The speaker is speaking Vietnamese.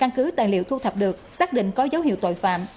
căn cứ tài liệu thu thập được xác định có dấu hiệu tội phạm